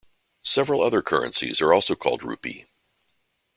Several other currencies are also called rupee.